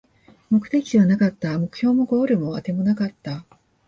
目的地はなかった、目標もゴールもあてもなかった